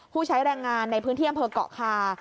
ผู้ใช้แรงงานในพื้นเที่ยงเผอร์เกาะคา